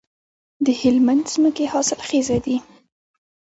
د هلمند ځمکې حاصلخیزه دي